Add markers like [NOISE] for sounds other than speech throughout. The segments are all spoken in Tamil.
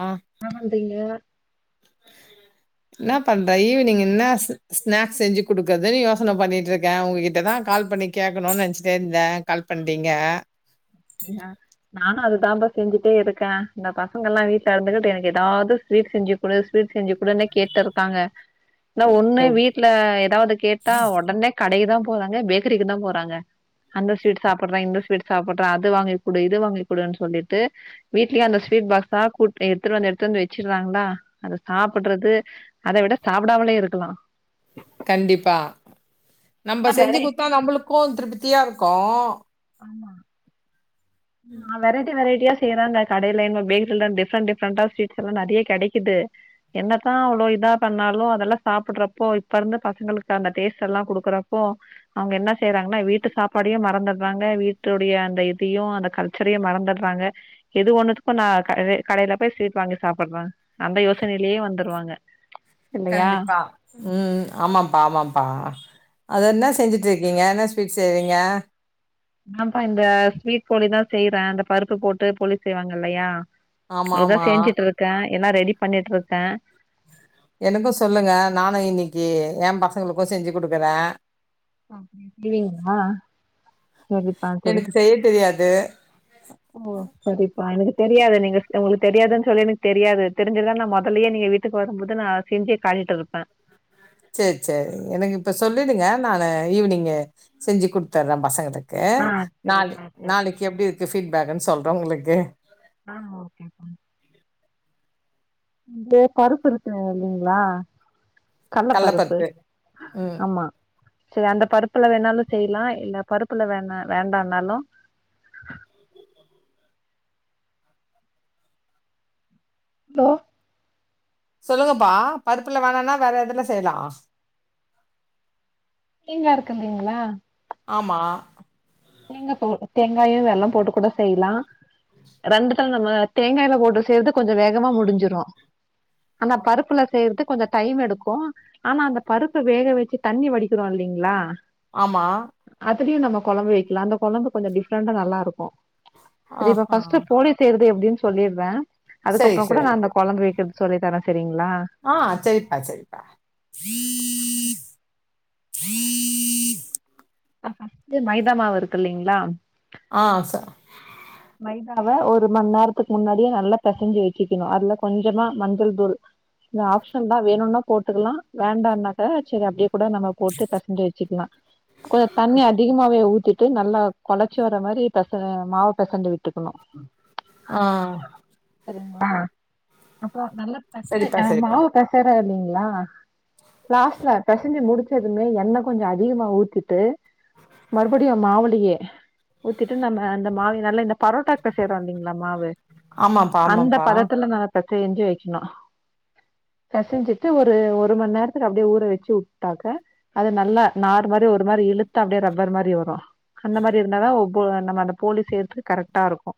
ஆ என்ன பண்றீங்க என்ன பண்றேன் ஈவினிங் என்ன ஸ்நாக்ஸ் செஞ்சு குடுக்குறதுன்னு யோசனை பண்ணிட்டு இருக்கேன் உங்ககிட்டதான் கால் பண்ணி கேட்கணு நினச்சிட்டே இருந்தேன் கால் பண்ணுறீங்க இன்னா நானும் அது தான்ம்ப செஞ்சுட்டே இருக்கேன் இந்த பசங்க எல்லாம் வீட்ல இருந்துகிட்டு எனக்கு ஏதாவது ஸ்வீட் செஞ்சு கொடு ஸ்வீட் செஞ்சு கொடுனு கேட்டே இருக்காங்க என்ன ஒன்னு ஓகே வீட்ல ஏதாவது கேட்டா உடனே கடைக்குதான் போறாங்க பேக்கரிக்கு தான் போறாங்க அந்த ஸ்வீட் சாப்பறான் இந்த ஸ்வீட் சாப் றன் அது வாங்கிக்குடு இது வாங்கிக்குடுன்னு சொல்லிட்டு வீட்டு்லயும் அந்த ஸ்வீட் பாக்ஸ்ஸா கூ எடுத்துட்டு வந்து எடுத்துட்டு வந்து வச்சிருறாங்களா அத சாப்பிடுறது அத விட சாப்பிடாமலேயே இருக்கலாம் கண்டிப்பா நம்ப ஆனா செஞ்சு குடுத்தா வெரைட்டி நம்மளுக்கு திருப்தியா இருக்கும் ஆமா ம் ஆ வெரைட்டி வெரைட்டியா செய்யறாங்க கடையில இன்னும் பேக்கல்ல டிப்ரண்ட் டிஃப்ரண்ட ஸ்வீட்ஸ்ல்லாம் நேறைய கெடைக்குது என்னத்தா அவ்ளோ இதா பண்ணாலு அதெல்லா சாப்பிடுறப்போ இப்ப இருந்து பசங்களுக்கு அந்த டேஸ்ட் எல்லா குடுக்குறப்போ அவங்க என்ன செய்யறாங்கன்னா வீட்டு சாப்பாடயே மறந்துறாங்க வீட்டுடைய அந்த இதையு அந்த கல்ச்சரயே மறந்துடுறாங்க எது ஒன்னுத்துக்கும் நா க கடையில போய் ஸ்வீட் வாங்கி சாப்பிடுறாங்க அந்த யோசனையிலயே வந்துருவாங்க இல்லையா கண்டிப்பா ம் ஆமாம்ப்பா ஆமாம்ப்பா அது என்ன செஞ்சுட்டுருக்கீங்க என்ன ஸ்வீட் செய்றீங்க அதாப்பா இந்த ஸ்வீட் போலிதா செய்யறே இந்த பருப்பு போட்டு போலி செய்வாங்க இல்லையா ஆமா அதுதா ஆமா செஞ்சுட்டு இருக்கே எல்லாம் ரெடி பண்ணிட்டு இருக்கே எனக்கும் சொல்லுங்க நானு இன்னிக்கு ஏம் பசங்களுக்கு செஞ்சு குடுக்குறே அப்ப செய்வீங்களா சரிப்பா சரி எனக்கு செய்ய தெரியாது ஓ சரிப்பா எனக்கு தெரியாது நீங்க உங்களுக்கு தெரியாதுன்னு சொல்லி எனக்கு தெரியாது தெரிஞ்சா நா முதலயே நீங்க வீட்டுக்கு வரும் போது நா செஞ்சே காட்டிட்டு இருப்பே சேரி சேரி எனக்கு இப்ப சொல்லிடுங்க நானு ஈவ்னிங் செஞ்சு குடுத்துர்றே பசங்கலுக்கு ஆ கு நாளை சரிப்பா சரி நாளைக்கு எப்டி இருக்கு பீட்பேக்குன் சொல்றே உங்களுக்கு ஆ ஓகேப்பா இது பருப்பு இருக்கு இல்லைங்களா கடல கட்லப்பருப்பு பருப்பு. ம். ஆமா செரி அந்த பருப்புல வேணாலு செய்லா இல்ல பருப்புல வேண்ணா வேண்டானாலு [INAUDIBLE] தோ சொல்லுங்கப்பா பருப்புல வேணனா வேற எதுல செய்யலா தேங்கா இருக்குந்தீங்களா ஆமா தேங்காய் போ தேங்காயு வெல்லம் போட்டு கூட செய்யலா ரெண்டுத்தல நம்ம தேங்காய்ல போட்டு செய்யறது கொஞ்சொ வேகமா முடிஞ்சிரு ஆனா பருப்புல செய்யறது கொஞ்சொ டைம் எடுக்கு ஆனா அந்த பருப்ப வேக வச்சு தண்ணி வடிக்கிறோ இல்லைங்களா ஆமா அதுலயு நம்ம கொழம்பு வைக்கலா அந்த கொழம்பு கொஞ்சொ டிஃப்ரெண்டா நல்லா இருக்கும் சரி இப்ப ஆஹா. பஸ்ட் போலி செய்றது எப்டின்னு சொல்லிட்றே சரி, அதுக்கப்புற கூட சரி. நா அந்த கொழம்பு வைக்கறது சொல்லி தரே சரிங்களா ஆ சரிப்பா சரிப்பா பஸ்ட்டு மைதாமாவு இருக்கு இல்லைங்ளா ஆ சா மைதாவ ஒரு மண் நேரத்துக்கு முன்னாடியே நல்லா பெசஞ்சு வச்சுக்கணு அதுல கொஞ்சமா மஞ்சள் தூள் இது ஆப்ஷன் தா வேணுன்னா போட்டுக்கலா வேண்டாம்னாக்க சரி அப்டிய கூட நம்ம போட்டு பெசஞ்சு வச்சுக்கலா கொஞ்சொ தண்ணி அதிகமாவே ஊத்திட்டு நல்லா கொழச்சு வச் ச மாரி பெச மாவு பெசஞ்சு விட்டுக்கணு ஆ சரிங்களா அப்புற நல்ல பெசஞ் சரிப்பா, அ சரிப்பா. மாவு பெசறே இல்லீங்களா லாஸ்ட்ல பெசஞ்சு முடிச்சதுமே எண்ணெ கொஞ்ச அதிகமா ஊத்திட்டு மறுபடியு மாவுலயே ஊத்திட்டு நம்ம அந்த மாவ நல்ல இந்த பரோட்டாக்கு பெசைறோ இல்லைங்களா மாவு ஆமாப்பா, அந்த ஆமாப்பா. பதத்துல ந பெசஞ்சி வைக்கணு பெசஞ்சிட்டு ஒரு ஒரு மண் நேரத்துக்கு அப்டியே ஊற வச்சு வுட்டாக்க அது நல்லா நார் மாரி ஒரு மாரி இழுத்து அப்டியே ரப்பர் மாரி வரு அந்த மாரி இருந்தாதா ஒவ்வு நம்ம அந்த போலி செய்த்து கரெக்டா இருக்கு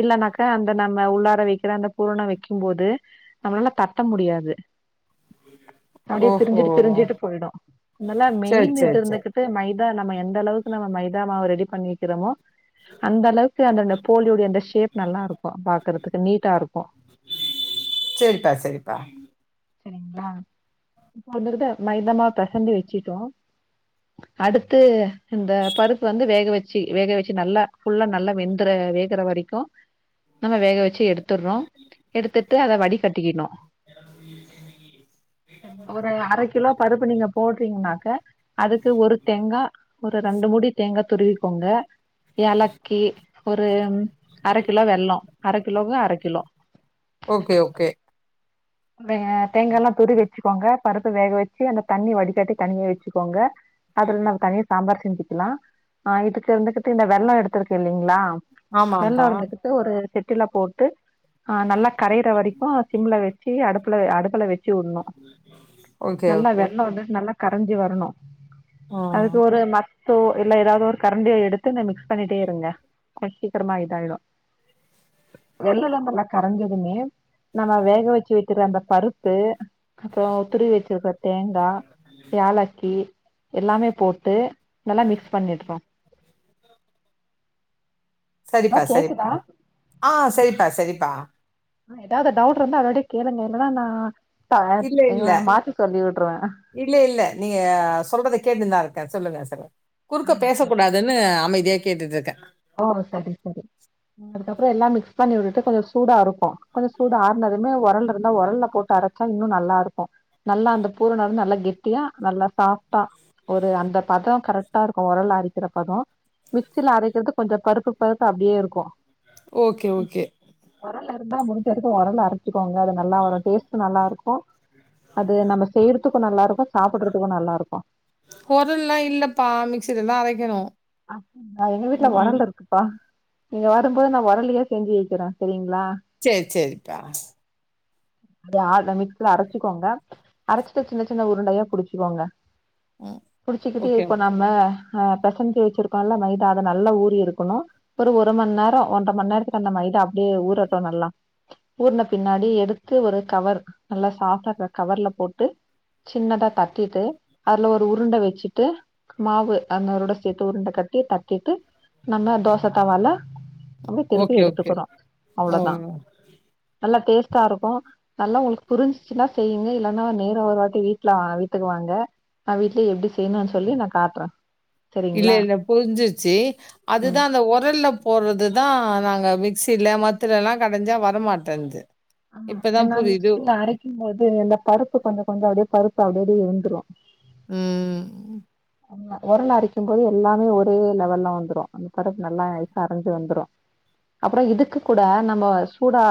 இல்லானாக்க அந்த நம்ம உள்ளார வைக்கிற அந்த பூரண வைக்கும் போது நம்மளால தட்ட முடியாது அப்டியே ஓஹோ! பிரிஞ்சுட்டு பிரிஞ்சிட்டு போயிடோ அனாலா சரி, மெயின் இது சரி, சரி. இருந்துகிட்டு மை தா நம்ம எந்த அளவுக்கு நம்ம மைதா மாவு ரெடி பண்ணிக்கிறோமோ அந்த அளவு கு அந்தட போலியோடைய அந்த ஷேப் நல்லா இருக்கு பாக்குறதுக்கு நீட்டா இருக்கு சரித்தா சரித்தா சரிங்க்ளா இப்ப வந்துகிட்டு மைதமாவ் பிசஞ்சி வச்சிட்டோ அடுத்து இந்த பருப்பு வந்து வேக வச்சு வேக வச்சு நல்லா ஃபுல்லா நல்லா வெந்துற வேகுற வரை கோ நம்ம வேக வச்சு எடுத்துறோ எடுத்துட்டு அத வடி கட்டிக்கிணோ ஒரு அரை கிலோ பருப்பு நீங்க போடுறீங்கன்னாக்க அதுக்கு ஒரு தேங்கா ஒரு ரெண்டு மூடி தேங்கா துருவிக்கோங்க ஏலக்கி ஒரு அர கிலோ வெல்லோ அர கிலோக்கு அர கிலோ ஓகே ஓகே ம்டுங்க தேங்கா எல்லா துருவி வச்சுக்கோங்க பருப்பு வேக வச்சு அந்த தண்ணி வடிகட்டி தனியே வச்சுக்கோங்க அதுல நம்ம தனியா சாம்பார் செஞ்சுக்கலா ஆ இதுக்கு இருந்துகிட்டு இந்த வெல்லோ எடுத்திருக்கு இல்லைங்களா வெல்லோ ஆமாம்ப்பா. இருந்துகிட்டு ஒரு சட்டில போட்டு ஆ நல்லா கரையிற வரைக்கோ சிம்ல வச் அடுப்புல அடுப்புல வச்சு விட்ணு ஓகே, நல்லா ஓகே. வெல்லோ வந்து நல்லா கரஞ்சி வரணு ம். அதுக்கு ஒரு மத் சோ இல்ல ஏதாது ஒரு கரண்டியோ எடுத்து ந மிக்ஸ் பண்ணிட்டே இருங்க கொஞ்சோ சீக்கிரோ இதாயிடோ வெல்லோலா நல்லா கரஞ்சதுமே நம்ம வேக வச்சு வைக்குற அந்த பருப்பு அப்றோ துருவி வச்சிருக்க தேங்கா ஏலக்கி எல்லாமே போட்டு நல்லா மிக்ஸ் பண்ணிட்னோ ஹலோ சரிப்பா சரிப்பா கேக்குதா ஆ சரிப்பா சரிப்பா ஏதாது டவுட் இருந்தா அதோடியே கேளுங்க இல்லன்னா நா த இல்ல, இல்ல. ஏ மாத்தி சொல்லி வுட்ருவே இல்ல இல்ல நீங்க சொல்றத கேட்டு தா இருக்கே சொல்லுங்க சொல்லு குறுக்க பேசக்கூடா துன்னு அமைதியா கேட்டுட்டு இருக்கே ஓ சரி சரி அதுக்கப்புற எல்லா மிக்ஸ் பண்ணி விட்டுட்டு கொஞ்ச சூடா இருக்கு கொஞ்ச சூடு ஆறுனதுமே ஒரல் இருந்தா ஒரல்ல போட்டு அர ச்சா இன்னு நல்லா இருக்கு நல்லா அந்த பூரண வந்து நல்லா கெட்டியா நல்லா சாஃப்டா ஒரு அந்த பதொ கரெக்டா இருக்கு ஒரல்ல அரக்கிற பதோ மிக்சில அரைக்கிறது கொஞ்ச பருப்பு பருப்பு அப்டியே இருக்கு ஓகே ஓகே ஒரலு இருந்தா முடிஞ்ச வரைக்கு ஒரல்ல அர ச்சிகோங்க அது நல்லா வரு டேஸ்ட் நல்லா இருக்கு அது நம்ம செய்றதுக் கு நல்லா இருக்கு சாப்புடுறதுக்கு நல்லா இருக்கு ஒரல்லா இல்லப்பா மிக்சில்ல தா அரைக்கணு ஆ எங்க வீட்ல ஒரல் இருக்கு பா நீங்க வரும்போது நா ஒரல்லயே செஞ்சி வக்கிற செரிங்களா செரி செரிப்பா ஆத மிக்சில அரச்சிக்கோங்க அரச்சிட்டு சின்ன சின்ன உருண்டயா புடிச்சிக்கோங்க ம். புடிச்சிக்கிட்டு ஓகே, இப்போ நம்ம அ பெசஞ்சு வச் சிருக்கொல்ல மைதா அத நல்ல ஊரி இருக்கணு ஒரு ஒரு மணி நேர ஒன்ற மணி நேரத்துக்கு அந்த மைதா அப்டியே ஊரட்டு நல்லா ஊர்ன பின்னாடி எடுத்து ஒரு கவர் நல்லா சாஃப்டா இருக்ற கவர்ல போட்டு சின்னதா தட்டிட்டு அதுல ஒரு உருண்ட வச்சிட்டு மாவு அந்தரோட சேத் து உருண்ட கட்டி தத்திட்டு நம்ம தோச தவால அப்டி திருப்பி ஓகே, ஓகே. எடுத்துக்குறோ ஓ! அவ்ளோதா நல்லா டேஸ்டா இருக்கு நல்லா உங்களுக்கு புரிஞ்சிச்சின்னா செய்யுங்க இல்லன்னா நேரா ஒரு வாட்டி வீட்ல வீட்டுக்குவாங்க நா வீட்லே எப்டி செய்யணுனு சொல்லி நா காட்ற இல்ல இல்ல போஞ்சிச்சி ம் அதுதா அந்த ஒரல்ல போறது தா நாங்க மிக்சில மத்ததுலா கடஞ்சா வரமாட்டேது என்னா மிக்சில அரைக்கும்போது இந்த பருப்பு கொஞ்சோ கொஞ்சோ அப்டியே பருப்பு அப்டி அப்டியே இருந்துரு ம் ஒரல்ல அரைக்கும் போது எல்லாமே ஒரே லெவல்ல வந்துரு அந்த பருப்பு நல்லா நைசா அரஞ்சு வந்துரு அப்புற இதுக்கு கூட நம்ம சூடா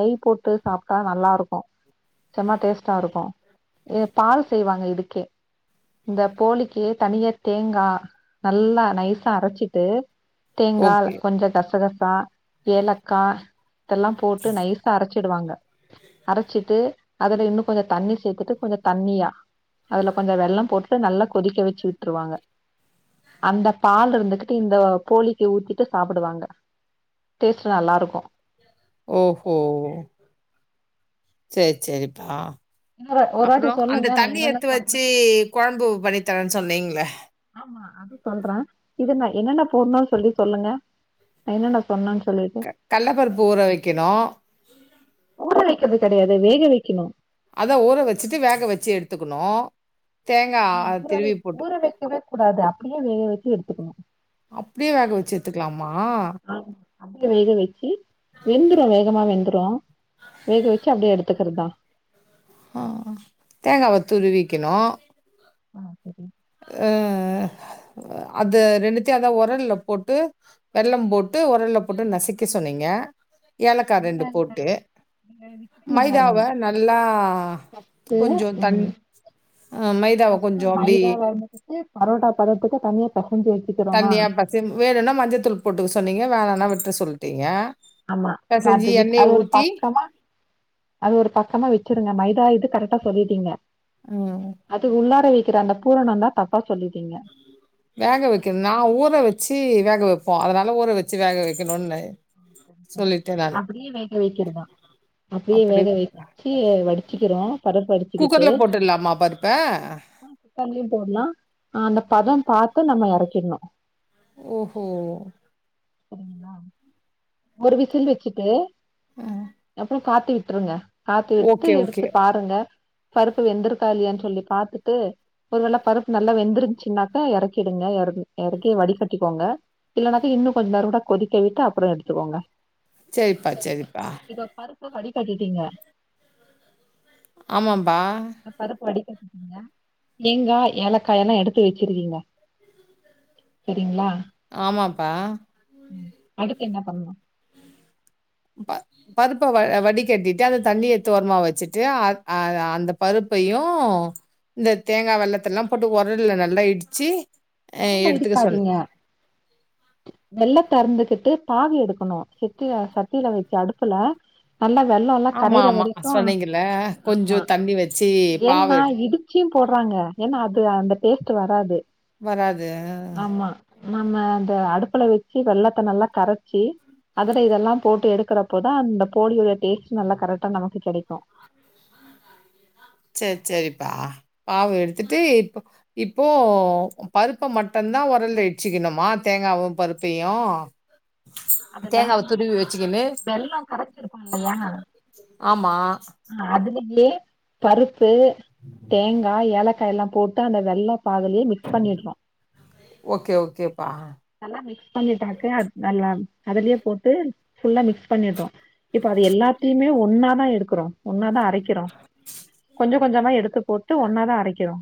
நெய் போட்டு சாப்டா நல்லா இருக்கு செம்மா டேஸ்ட்டா இருக்க ஏ பால் செய்வாங்க இதுக்கே இந்த போலிக் கே தனிய தேங்கா நல்லா நைஸா அரச்சிட்டு தேங்கா ஓகே. கொஞ்ச கசகசா ஏலக்கா இதெல்லா போட்டு நைசா அரச்சிடுவாங்க அரச்சிட்டு அதுல இன்னு கொஞ்ச தண்ணி சேத்துட்டு கொஞ்ச தண்ணியா அதுல கொஞ்ச வெள்ளம் போட்டுட்டு நல்லா கொதிக்க வச்சி விட்டுருவாங்க அந்த பால் இருந்துகிட்டு இந்த போலிக்கு ஊத்திட்டு சாப்புடுவாங்க டேஸ்ட்டு நல்லாயிருக்கு ஓஹோ செரி செரிப்பா இன்னொரு ஒரு வாட்டி அப்றோ அந்த சொல்லுங்க நா தண்ணி என்னென்ன எத்து சொன்ன வச்சி கொழம்பு பண்ணித்தரேன்னு சொன்னீங்கள ஆமா அது சொல்ற இது நா என்னென்ன போடுணும்னு சொல்லி சொல்லுங்க என்னன்ன சொன்ன சொல்லி க கல்லப்பருப்பு ஊற வைக்கணு ஊற வைக்கிறது கெடையாது வேக வைக்கணு அதா ஊற வச்சிட்டு வேக வச்சி எடுத்துக்குணு தேங்கா அத திருவி போட்டு கிவ்வே கூடாது அப்டியே வேக வச்சி எடுத்துக்குணு அப்டியே வேக வச்சி எத்துக்கிலாமா ஆ அப்டியே வேக வச்சி வெந்துறு வேகமா வெந்துறு வேக வச்சி அப்டியே எடுத்துக்கிறதுதா தேங்காவ துருவிக்கேனோ ஆ சேரி அ அ வ அது ரெண்டுத்தயு அதா உரல்ல போட்டு வெல்லம் போட்டு உரல்ல போட்டு நசிக்க சொன்னங்க ஏலக்கா ரெண்டு போட்டு சரிங்க பாருங்க மைதாவ நல்லா ட்டு கொஞ்சோ தண் ம் ஆ மைதாவ கொஞ்ச ஃபஸ்ட்டு அப்டி மைதா பரோட்டா பதத்துக்கு தனியே பெசஞ்சு வை தண்ணியா பசி வேணுன்னா மஞ்சத்தூள் போட்டுக்க சொன்னீங்க வேணனா விட்டுற சொல்லிட்டீங்க ஆமா பேட்டரி வீக் அது ஒரு பக்கமா அது ஒரு பக்கமா வச்சிருங்க மைதா இது கரெக்டா சொல்லிட்டீங்க ம் அதுக்கு உள்ளார வக்கி கிற அந்த பூரணதா தப்பா சொல்லீடிங்க வேக வைக்கணு நா ஊற வச்சு வேக வைப்போ அதனால ஊற வச்சு வேக வைக்கணுன்னே அப்டியே வேக வைக்கிறதா அப்புடியே வேக அப்படியே போட்டா வச்சு வடிச்சுக்கிறோ பருப்பு வடிச்சுக்கிட்டு குக்கர்ல போட்டுடலாமா பருப்ப? தள்ளி போடலா அந்த பதம் பாத்து நம்ம எறக்கிடணு ஓஹோ ஒரு விசில் வச்சுட்டு ம். அப்பறோ காத்து விட்டுருங்க காத்து விட்டு ஓகே, ஓகே. எடுத்து பாருங்க பருப்பு வெந்துருக்கா இல்லையான் சொல்லி பாத்துட்டு ஒருவேள பருப்பு நல்லா வெந்துருச்சுனாக்கா எறக்கிடுங்க எற எறக்கி வடிகட்டிக்கோங்க இல்லன்னாக்க இன்னு கொஞ்ச நேரோ கூட கொதிக்க விட்டு அப்பறோ எடுத்துக்கோங்க சேரிப்பா சேரிப்பா இப்ப பருப்ப வடி கட்டிட்டீங்க ஆமாம்பா பருப்ப வடிக்கட்டிடீங்க தேங்கா ஏலக்கா எல்லா எடுத்து வச்சிருக்கீங்க சேரிங்களா ஆமாப்பா அடுத்து என்ன பண்ணணு ப்ப பருப்ப வ வடி கட்டிட்டு அத தண்ணிய எடுத்தோரமா வச்சுட்டு அ அ அந்த பருப்பையு இந்த தேங்கா வெல்லத்தல்லா போட்டு ஒரல்ல நல்லா இடிச்சு அ ஒரல்ல எடுத்துக்க சொன்ன இடிக்காதீங்க வெல்லத்த அருந்துகிட்டு பாகு எடுக்கணு சித்திய சத்தியில வச்சு அடுப்புல நல்லா வெல்லெல்லா ஆமா கரையுற ஆமா வரைக்கு சொன்னீங்கல்ல கொஞ்சோ ஆமா தண்ணி வச்சு பாவ ஏன்னா எடு இது ச்சியு போடுறாங்க ஏன்னா அது அந்த டேஸ்ட் வராது வராது ஆமா நம்ம இந்த அடுப்புல வச்சு வெல்லத்த நல்லா கரச்சி அதல இதெல்லா போட்டு எடுக்கிறப்போதா அந்த போலியுடைய டேஸ்ட் நல்லா கரெக்டா நமக்கு கெடைக்கும் சேரி சேரிப்பா பாவு எடுத்துட்டு இப்போ இப்போ பருப்ப மட்டுந்தா ஒரல்ல இடுச்சுக்கணுமா தேங்காவு பருப்பையு அதெல்லா தேங்காவ துருவி வச்சுக்கின்னு வெல்லோ கரைச்சிருக்கு இல்லையா ஆமா அதுலேயே பருப்பு தேங்கா ஏலக்கா எல்லா போட் ட்டு அந்த வெல்ல பாகுலயே மிக்ஸ் பண்ணிடணு ஓகே ஓகேப்பா நல்லா மிக்ஸ் பண்ணிட்டாக்க நல்லா அதுலயே போட்டு ஃபுல்லா மிக்ஸ் பண்ணிடுறோ இப்ப அது எல்லாத்தையுமே ஒன்னா தா எடுக்கிறோ ஒன்ன தா அரைக்கிறோ கொஞ்ச கொஞ்சமா எடுத்து போட்டு ஒன்னாதா அரைக்கிறோ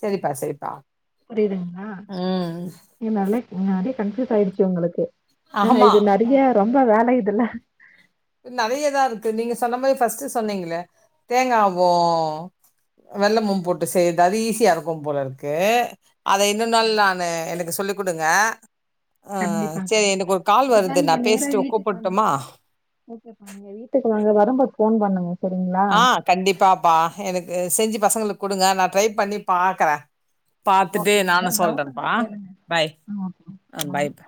சேரிப்பா சேரிப்பா ம் என்னால்ல பின்னாடி கன்ஃபியூஸ் ஆயிடுச்சு உங்களுக்கு ஆ ஆமா இது நெறைய ரொம்ப வேலை இதுல்ல நெறையதா இருக்கு நீங்க சொன்ன மாரி ஃபஸ்ட்டு சொன்னீங்களே ஆமா தேங்காவு வெல்லமூம் போட்டு செய்யுது அது ஈஸியா இருக்கும் போல இருக்கு அத இன்னொரு நாள் நானு எனக்கு சொல்லி குடுங்க ஆ கண்டிப்பா சரி கண்டிப்பா எனக்கு ஒரு கால் அதுதா வருது நா நீங்க நேரா பேசிட்டு வீட்டுக்கு வந்து கூப்புட்டுமா ஓகேப்பா நீங்க வீட்டுக்கு வாங்க வரும்போது போன் பண்ணுங்க சரிங்களா ஆ கண்டிப்பாப்பா எனக்கு செஞ்சு பசங்களுக்கு குடுங்க நா ட்ரை பண்ணி பாக்குறே பாத்துட்டு ஓகேப்பா நானு எதா டவுட் இருந்தா சொல்றேன்ப்பா பாய் ஆ ஓகே ஆ பாய் பாய்ப்பா